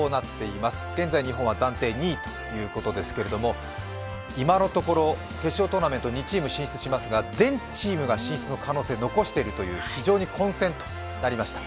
現在日本は暫定２位ということですけれど今のところ、決勝トーナメント２チーム進出しますが、全チームが進出の可能性を残しているという非常に混戦となりました。